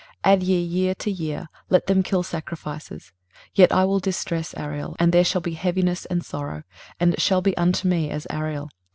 add ye year to year; let them kill sacrifices. 23:029:002 Yet I will distress Ariel, and there shall be heaviness and sorrow: and it shall be unto me as Ariel.